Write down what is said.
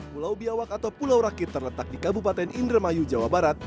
pulau biawak atau pulau rakit terletak di kabupaten indramayu jawa barat